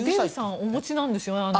お持ちなんですよね。